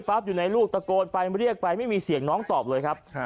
อยู่ในลูกตะโกนไปเรียกไปไม่มีเสียงน้องตอบเลยครับ